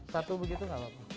satu begitu nggak apa apa